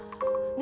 ね